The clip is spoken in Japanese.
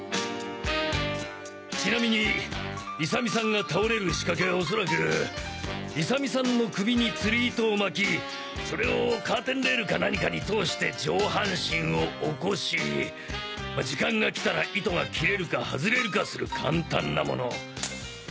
ちなみに勇美さんが倒れる仕掛けはおそらく勇美さんの首に釣り糸を巻きそれをカーテンレールか何かに通して上半身を起こし時間がきたら糸が切れるか外れるかする簡単なもの。